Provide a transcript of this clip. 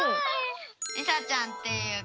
りさちゃんっていうこ。